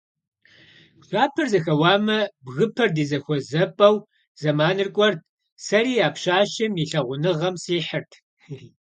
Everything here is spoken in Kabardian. Пшапэр зэхэуамэ, бгыпэр ди зэхуэзапӀэу зэманыр кӀуэрт, сэри а пщащэм и лъагъуныгъэм сихьырт.